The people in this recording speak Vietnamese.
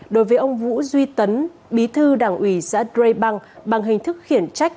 đối với ông vũ duy tấn bí thư đảng ủy giã dre bang bằng hình thức khiển trách